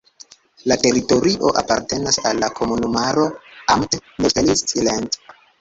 La teritorio apartenas al la komunumaro "Amt Neustrelitz-Land".